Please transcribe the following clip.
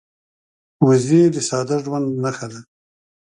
وزې د ساده ژوند نښه ده